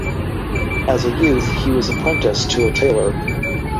As a youth, he was apprenticed to a tailor.